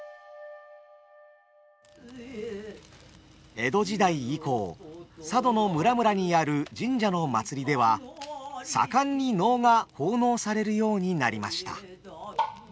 江戸時代以降佐渡の村々にある神社の祭りでは盛んに能が奉納されるようになりました。